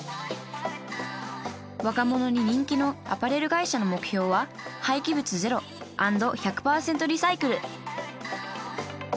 若者に人気のアパレル会社の目標は廃棄物ゼロ＆１００％リサイクル！